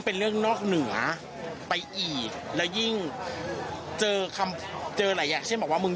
เพราะว่าถ้าเขาอยากช่วยจริง